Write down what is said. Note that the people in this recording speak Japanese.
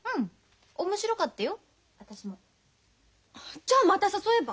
じゃあまた誘えば？